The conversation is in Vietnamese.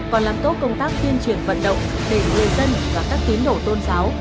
còn làm tốt công tác tuyên truyền vận động để người dân và các tuyến đổ tôn giáo